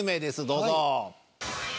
どうぞ。